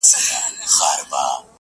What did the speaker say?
لپاره عدالت غوښتل تعصب دی